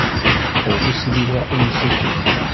Okusibibwa enseke.